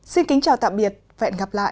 xin kính chào tạm biệt và hẹn gặp lại